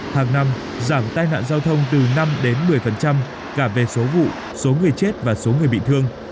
hàng năm giảm tai nạn giao thông từ năm đến một mươi cả về số vụ số người chết và số người bị thương